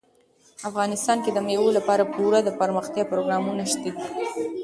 افغانستان کې د مېوو لپاره پوره دپرمختیا پروګرامونه شته دي.